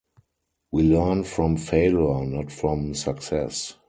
We learn from failure, not from success!